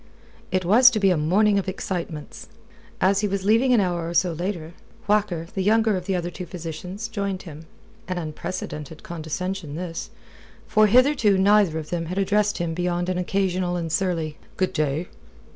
It was to be a morning of excitements. As he was leaving an hour or so later, Whacker, the younger of the other two physicians, joined him an unprecedented condescension this, for hitherto neither of them had addressed him beyond an occasional and surly "good day!"